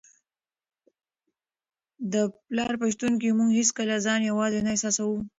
د پلار په شتون کي موږ هیڅکله ځان یوازې نه احساسوو.